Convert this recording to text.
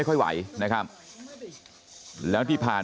กระดิ่งเสียงเรียกว่าเด็กน้อยจุดประดิ่ง